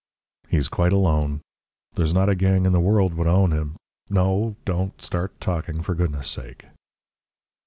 "He's quite alone. There's not a gang in the world would own him. No! don't start talking, for goodness' sake."